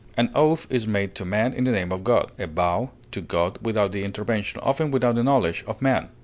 An oath is made to man in the name of God; a vow, to God without the intervention, often without the knowledge, of man.